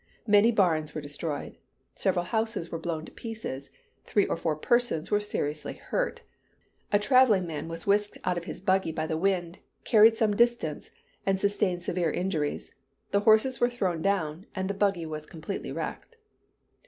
Many barns were destroyed; several houses were blown to pieces; three or four persons were seriously hurt. A traveling man was whisked out of his buggy by the wind, carried some distance, and sustained severe injuries; the horses were thrown down, and the buggy was completely wrecked.